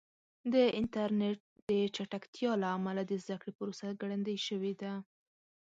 د انټرنیټ د چټکتیا له امله د زده کړې پروسه ګړندۍ شوې ده.